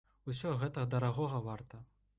Усё гэта дарагога варта.